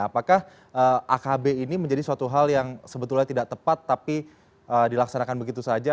apakah akb ini menjadi suatu hal yang sebetulnya tidak tepat tapi dilaksanakan begitu saja